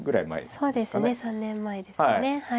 そうですね３年前ですね２局は。